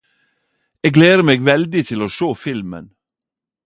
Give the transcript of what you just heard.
Eg gleder meg veldig til å sjå filmen.